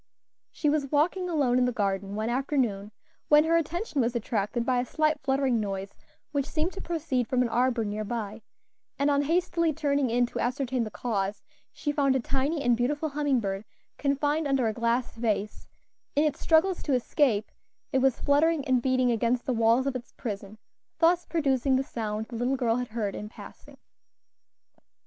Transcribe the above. She was walking alone in the garden one afternoon, when her attention was attracted by a slight fluttering noise which seemed to proceed from an arbor near by, and on hastily turning in to ascertain the cause, she found a tiny and beautiful humming bird confined under a glass vase; in its struggles to escape it was fluttering and beating against the walls of its prison, thus producing the sound the little girl had heard in passing.